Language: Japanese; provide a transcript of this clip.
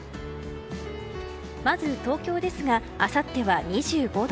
まず、東京ですがあさっては２５度。